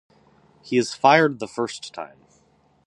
He is fired the first time.